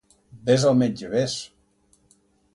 Vés al metge, vés.